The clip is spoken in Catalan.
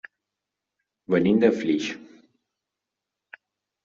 Venim de Flix.